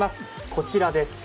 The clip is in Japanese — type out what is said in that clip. こちらです。